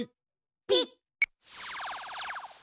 ピッ！